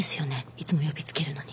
いつも呼びつけるのに。